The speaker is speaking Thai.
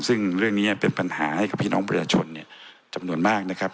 ซึ่งเรื่องนี้เป็นปัญหาให้กับพี่น้องประชาชนจำนวนมากนะครับ